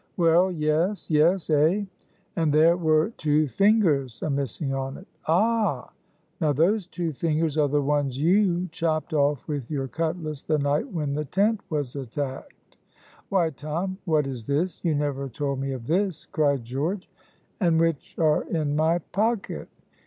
"Well, yes! yes! eh!" "And there were two fingers a missing on it!" "Ah!" "Now those two fingers are the ones you chopped off with your cutlass the night when the tent was attacked." "Why, Tom, what is this? you never told me of this," cried George. "And which are in my pocket."